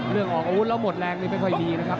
ออกอาวุธแล้วหมดแรงนี่ไม่ค่อยดีนะครับ